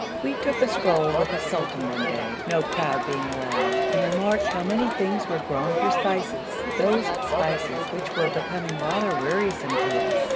We took a stroll with the sultan one day, no crowd being allowed, and remarked how many things were grown for spices, those spices which were becoming rather wearisome to us.